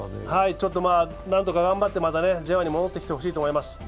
何とか頑張って、またＪ１に戻ってきてほしいと思います。